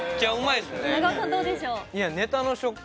長尾さんどうでしょう？